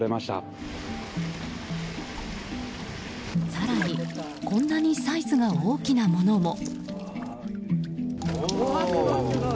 更にこんなにサイズが大きなものも。